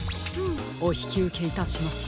おひきうけいたします。